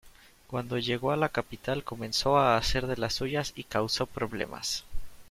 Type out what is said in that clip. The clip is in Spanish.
Cuando llegó a la capital comenzó a hacer de las suyas y causo problemas.